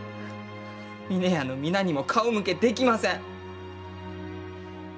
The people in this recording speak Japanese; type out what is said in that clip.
峰屋の皆にも顔向けできません！